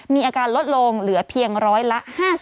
มีอาการลดลงเหลือเพียงร้อยละ๕๐